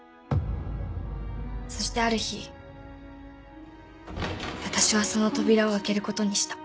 そしてある日私はその扉を開けることにした。